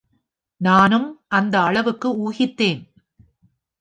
நானும் அந்த அளவுக்கு ஊகித்தேன்.